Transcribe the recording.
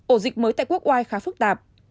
ổ dịch mới tại quốc oai khá phức tạp